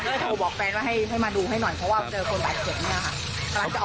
เพื่อโทรบอกแฟนว่าให้มาดูให้หน่อยเพราะว่าเจอคนบาดเก็บนะครับ